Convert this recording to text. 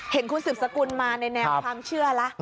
เห็นคุณสืบสกุลมาในแนวความเชื่อแล้ว